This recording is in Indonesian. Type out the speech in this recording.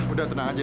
udah tenang aja